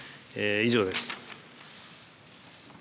以上です。